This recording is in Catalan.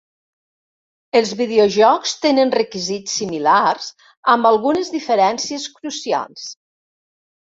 Els videojocs tenen requisits similars, amb algunes diferències crucials.